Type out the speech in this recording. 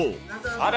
あら！